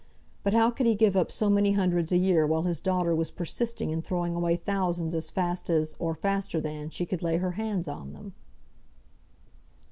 But how could he give up so many hundreds a year while his daughter was persisting in throwing away thousands as fast as, or faster than, she could lay her hands on them?